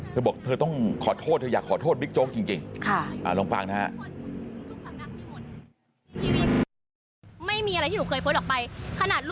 เธอบอกเธอต้องขอโทษเธออยากขอโทษบิ๊กโจ๊กจริง